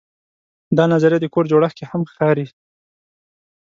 دا نظریه د کور جوړښت کې هم ښکاري.